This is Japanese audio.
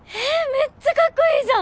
めっちゃかっこいいじゃん！